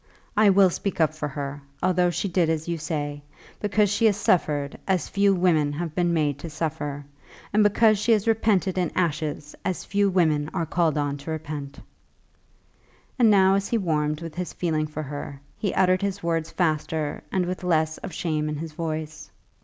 "I will speak up for her, although she did as you say, because she has suffered as few women have been made to suffer, and because she has repented in ashes as few women are called on to repent." And now as he warmed with his feeling for her, he uttered his words faster and with less of shame in his voice.